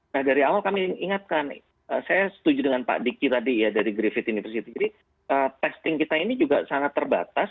nah dari awal kami ingatkan saya setuju dengan pak diki tadi ya dari griffith university jadi testing kita ini juga sangat terbatas